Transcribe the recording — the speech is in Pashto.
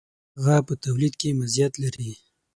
هغه په تولید کې مزیت لري.